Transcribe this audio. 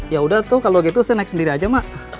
yaudah tuh kalau gitu saya naik sendiri aja mak